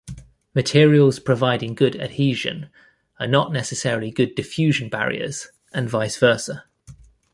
Materials providing good adhesion are not necessarily good diffusion barriers and vice versa.